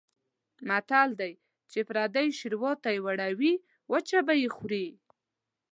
متل دی: چې پردۍ شوروا ته یې وړوې وچه به یې خورې.